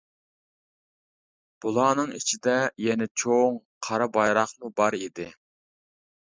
بۇلارنىڭ ئىچىدە يەنە چوڭ قارا بايراقمۇ بار ئىدى.